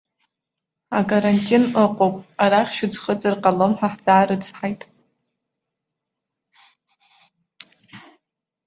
Акарантин ыҟоуп, арахь шәыӡхыҵыр ҟалом ҳәа ҳзаарыцҳаит.